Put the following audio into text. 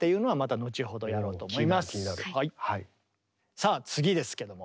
さあ次ですけども。